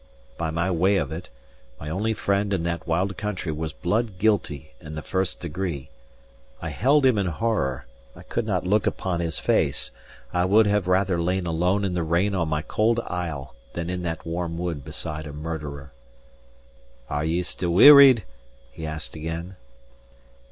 By my way of it, my only friend in that wild country was blood guilty in the first degree; I held him in horror; I could not look upon his face; I would have rather lain alone in the rain on my cold isle, than in that warm wood beside a murderer. "Are ye still wearied?" he asked again.